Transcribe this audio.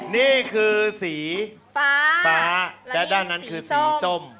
นี่คือสีฟ้าฟ้าและด้านนั้นคือสีส้ม